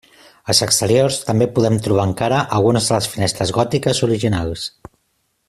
Als exteriors, també podem trobar encara algunes de les finestres gòtiques originals.